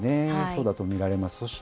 そうだと見られます。